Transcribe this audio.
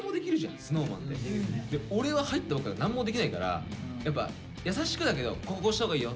俺は入ったばっかで何もできないからやっぱ優しくだけど「こここうした方がいいよ」